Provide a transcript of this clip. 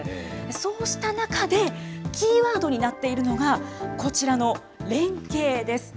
そうした中で、キーワードになっているのが、こちらの連携です。